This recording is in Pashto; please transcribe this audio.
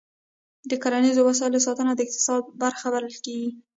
د کرنیزو وسایلو ساتنه د اقتصاد برخه بلل کېږي.